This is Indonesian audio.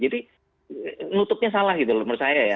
jadi nutupnya salah gitu loh menurut saya ya